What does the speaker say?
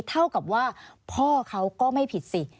เท่ากับว่าพ่อเขาก็ไม่ผิดสิ